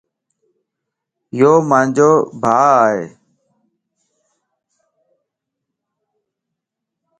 يوما نجو ڀَا ائي